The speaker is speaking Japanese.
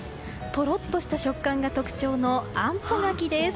トロッとした食感が特徴のあんぽ柿です。